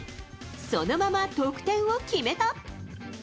そのまま得点を決めた。